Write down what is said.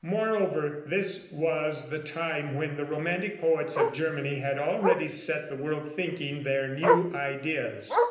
Moreover this was the time when the romantic poets of Germany had already set the world thinking their new ideas.